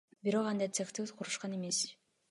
Бирок анда цехти курушкан эмес.